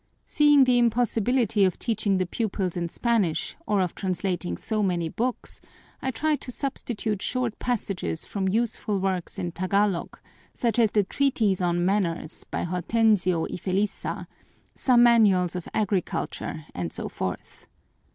Seeing the impossibility of teaching the pupils in Spanish or of translating so many books, I tried to substitute short passages from useful works in Tagalog, such as the Treatise on Manners by Hortensio y Feliza, some manuals of Agriculture, and so forth.